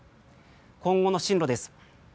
今後の進路です。